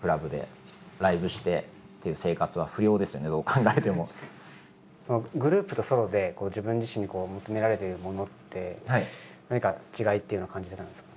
だってグループとソロで自分自身に求められているものって何か違いっていうのは感じてたんですか？